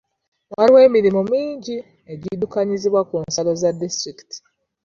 Waliwo emirimu mingi egiddukanyizibwa ku nsalo za disitulikiti.